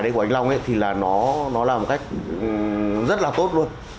đề tài của anh long ấy thì là nó là một cách rất là tốt luôn